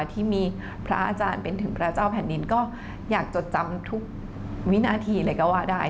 ที่มีพระอาจารย์เป็นถึงพระเจ้าแผ่นดินก็อยากจดจำทุกวินาทีเลยก็ว่าได้